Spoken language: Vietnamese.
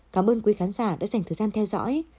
cảm ơn quý khán giả đã dành thời gian theo dõi